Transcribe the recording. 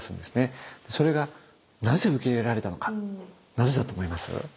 なぜだと思います？